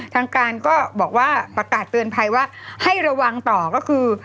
ทางการก็บอกว่าประกาศเตือนภัยว่าให้ระวังต่อก็คือ